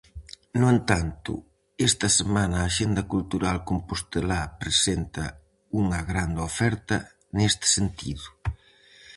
No entanto, esta semana a axenda cultural compostelá presenta unha grande oferta neste sentido.